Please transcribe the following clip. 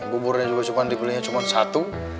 buburnya juga cuma dibelinya cuma satu